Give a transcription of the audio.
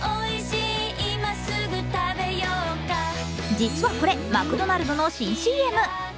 実はこれ、マクドナルドの新ＣＭ。